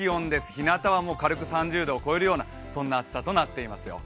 ひなたは軽く３０度を超えるような暑さとなっていますよ。